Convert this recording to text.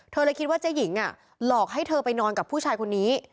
เลยคิดว่าเจ๊หญิงหลอกให้เธอไปนอนกับผู้ชายคนนี้